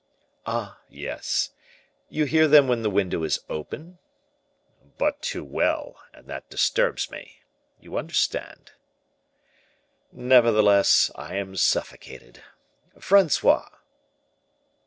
"Ah, yes. You hear them when the window is open?" "But too well, and that disturbs me. You understand?" "Nevertheless I am suffocated. Francois."